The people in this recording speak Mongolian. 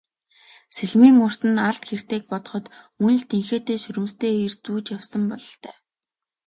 Сэлмийн урт нь алд хэртэйг бодоход мөн л тэнхээтэй шөрмөстэй эр зүүж явсан бололтой.